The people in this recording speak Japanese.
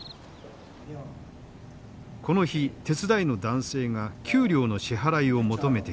この日手伝いの男性が給料の支払いを求めてきた。